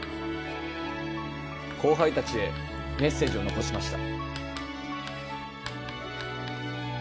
後輩たちへ、メッセージを残しました。